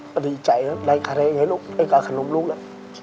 พอดีใจแล้วใดขะเลไงลูกไอ้กาขนมลูกล่ะ